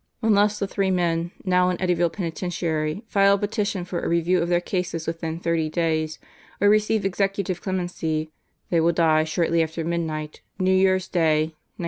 Unless the three men, now in Eddyville Penitentiary, file a petition for a review of their cases within 30 days, or receive executive clem ency, they will die shortly after midnight, New Year's Day, 1943.